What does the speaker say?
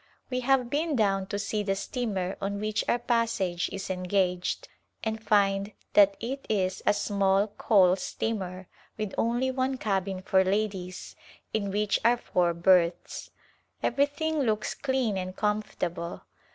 We have been down to see the steamer on which our pas sage is engaged and find that it is a small coal steamer with only one cabin for ladies, in which are four berths. Everything looks clean and comfortable.